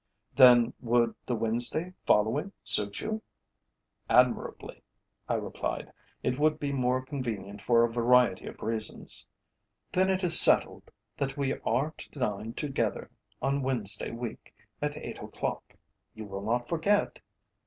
"Then would the Wednesday following suit you?" "Admirably," I replied. "It would be more convenient for a variety of reasons." "Then it is settled that we are to dine together on Wednesday week at eight o'clock. You will not forget?"